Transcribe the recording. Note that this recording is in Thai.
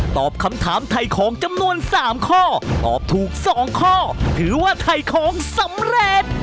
ตอบคำถามไถ่ของจำนวน๓ข้อตอบถูก๒ข้อถือว่าถ่ายของสำเร็จ